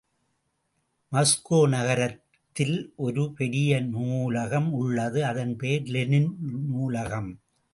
Moscow நகரத்திலே ஒரு பெரிய நூலகம் உள்ளது, அதன் பெயர் லெனின் நூலகம்.